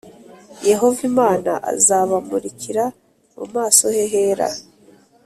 Yehova Imana azabamurikira mu maso he hera